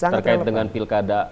terkait dengan pilkada